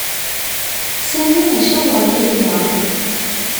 Sami i caweṛ Layla.